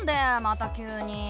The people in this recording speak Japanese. また急に？